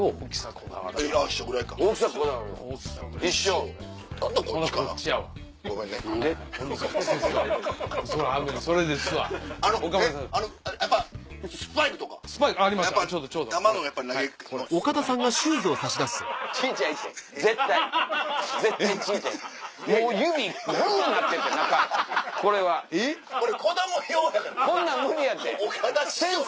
こんなん無理やって先生